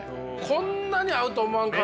こんなに合うと思わんかった。